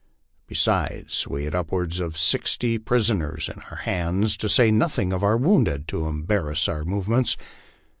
Besides, we had upwards of sixty prisoners in our hands, to say nothing of our wounded, to embarrass our movements.